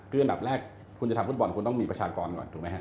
คืออันดับแรกคุณจะทำฟุตบอลคุณต้องมีประชากรก่อน